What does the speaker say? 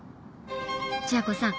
千夜子さん